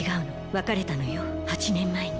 別れたのよ８年前に。